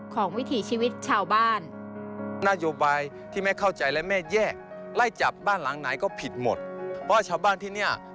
ของวิถีชีวิตชาวบ้าน